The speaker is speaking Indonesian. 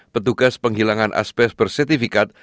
petugas penghilangan asbest bersertifikat